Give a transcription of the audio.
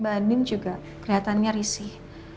mbak andim juga kelihatannya risih